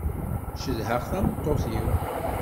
Cedheɣ tameṭṭut-iw.